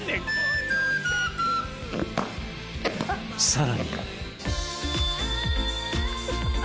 ［さらに］